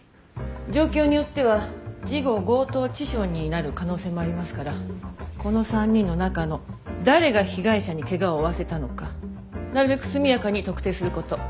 状況によっては事後強盗致傷になる可能性もありますからこの３人の中の誰が被害者に怪我を負わせたのかなるべく速やかに特定する事。